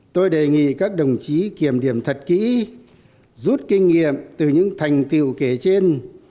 tôi đề nghị các đồng chí kiểm điểm thật kỹ rút kinh nghiệm từ những thành tiệu kể trên